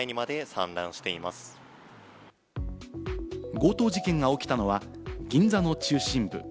強盗事件が起きたのは銀座の中心部。